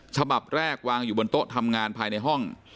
ฉบับแรกวางอยู่บนโต๊ะทำงานภายในห้อง